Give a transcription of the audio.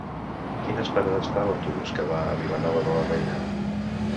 Quines parades fa l'autobús que va a Vilanova de la Reina?